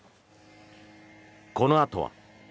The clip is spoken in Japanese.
このあとは。